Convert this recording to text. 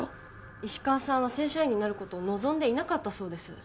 石川さんは正社員になることを望んでいなかったそうです